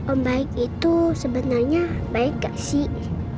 om baik itu sebenarnya baik gak sih